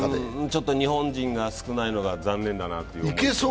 ちょっと日本人が少ないのが残念だなと思いますよ。